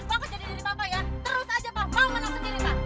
bukan jadi jadi papa ya terus aja pak mau menang sendiri pak